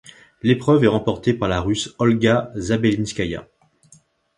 L'épreuve est remportée par la Russe Olga Zabelinskaïa.